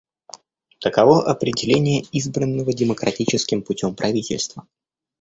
Таково определение «избранного демократическим путем правительства».